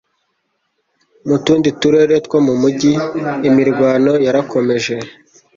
Mu tundi turere two mu mujyi imirwano yarakomeje